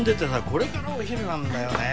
これからお昼なんだよね